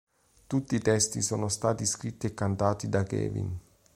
Tutti i testi sono stati scritti e cantati da Kevin.